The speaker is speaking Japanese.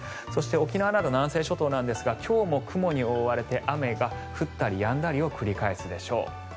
そして沖縄など南西諸島なんですが今日も雲に覆われて雨が降ったりやんだりを繰り返すでしょう。